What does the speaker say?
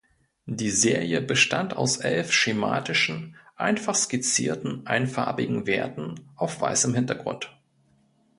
Die Serie bestand aus elf schematischen, einfach skizzierten einfarbigen Werten auf weißem Hintergrund.